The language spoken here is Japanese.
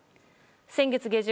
先月下旬